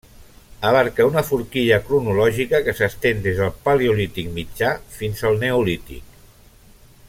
Abarca una forquilla cronològica que s'estén des del paleolític mitjà fins al neolític.